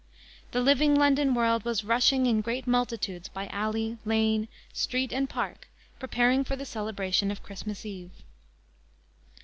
The living London world was rushing in great multitudes by alley, lane, street and park preparing for the celebration of Christmas Eve.